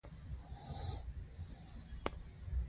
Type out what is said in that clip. څوک به د خندا په وجه پر غولي رغړېده.